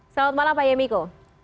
selamat malam pak iyemiko